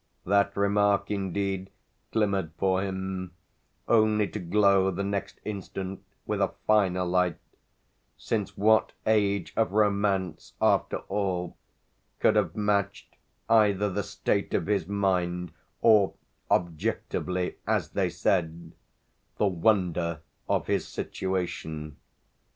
That remark indeed glimmered for him only to glow the next instant with a finer light; since what age of romance, after all, could have matched either the state of his mind or, "objectively," as they said, the wonder of his situation?